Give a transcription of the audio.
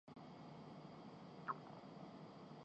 نون لیگ برے دنوں میں گھری ہوئی ہے۔